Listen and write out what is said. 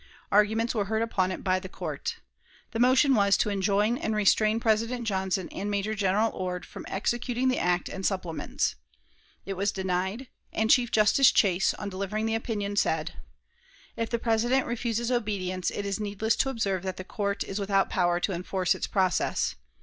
Arguments were heard upon it by the Court. The motion was to enjoin and restrain President Johnson and Major General Ord from executing the act and supplements. It was denied, and Chief Justice Chase, on delivering the opinion, said: "If the President refuses obedience, it is needless to observe that the Court is without power to enforce its process.